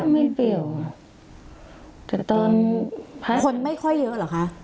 ไม่เปลี่ยวค่ะแต่ตอนคนไม่ค่อยเยอะเหรอคะ